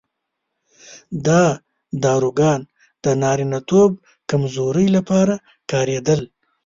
دا داروګان د نارینتوب کمزورۍ لپاره کارېدل.